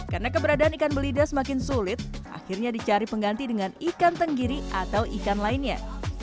karena keberadaan ikan belida semakin sulit akhirnya dicari pengganti dengan ikan tenggiri atau ikan lainnya